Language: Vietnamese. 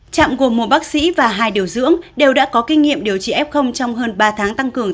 trạm gồm một bác sĩ và hai điều dưỡng đều đã có kinh nghiệm điều trị f trong hơn ba tháng tăng cường